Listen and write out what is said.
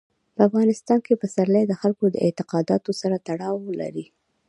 په افغانستان کې پسرلی د خلکو د اعتقاداتو سره تړاو لري.